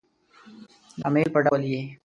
د امیل په ډول يې